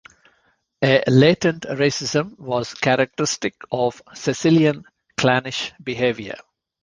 A latent racism was characteristic of Cecilian 'clannish' behaviour.